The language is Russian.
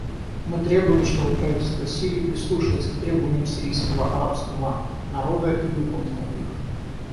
Мы требуем, чтобы правительство Сирии прислушалось к требованиям сирийского арабского народа и выполнило их.